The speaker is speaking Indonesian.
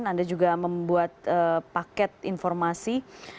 anda juga membuat paket informasi